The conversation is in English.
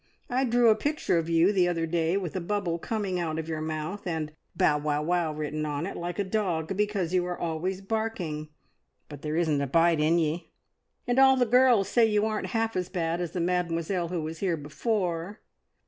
I drew a picture of you the other day with a bubble coming out of your mouth, and `Bow wow wow' written on it like a dog, because you are always barking; but there isn't a bite in ye, and all the girls say you aren't half as bad as the Mademoiselle who was here before!"